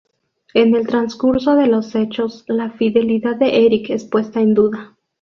En el transcurso de los hechos, la fidelidad de Erik es puesta en duda.